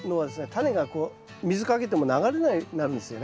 タネが水かけても流れなくなるんですよね。